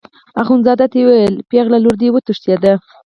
اخندزاده ته یې وویل پېغله لور دې وتښتېده.